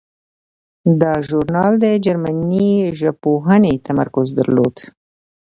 دا ژورنال د جرمني ژبپوهنې تمرکز درلود.